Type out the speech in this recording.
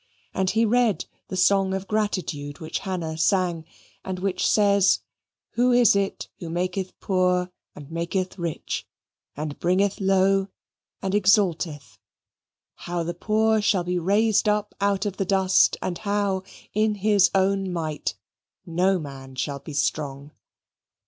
And he read the song of gratitude which Hannah sang, and which says, who it is who maketh poor and maketh rich, and bringeth low and exalteth how the poor shall be raised up out of the dust, and how, in his own might, no man shall be strong.